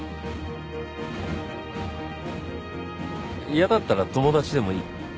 嫌だったら友達でもいい。